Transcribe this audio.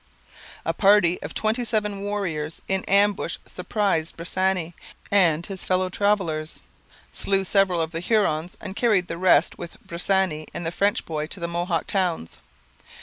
A party of twenty seven warriors in ambush surprised Bressani and his fellow travellers, slew several of the Hurons, and carried the rest with Bressani and the French boy to the Mohawk towns.